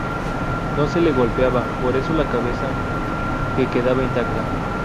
No se le golpeaba por eso la cabeza, que quedaba intacta.